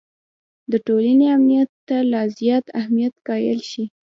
د ټولنې امنیت ته لا زیات اهمیت قایل شي.